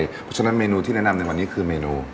เพราะฉะนั้นเมนูที่แนะนำในวันนี้คือเมนู